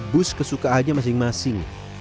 bus kesukaannya masing masing